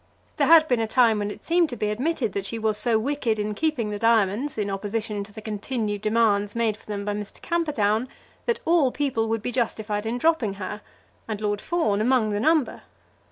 There had been a time when it seemed to be admitted that she was so wicked in keeping the diamonds in opposition to the continued demands made for them by Mr. Camperdown, that all people would be justified in dropping her, and Lord Fawn among the number.